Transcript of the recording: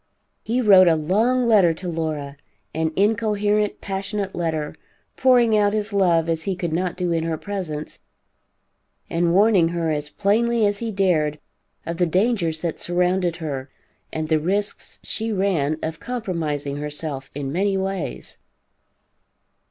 He wrote a long letter to Laura, an incoherent, passionate letter, pouring out his love as he could not do in her presence, and warning her as plainly as he dared of the dangers that surrounded her, and the risks she ran of compromising herself in many ways.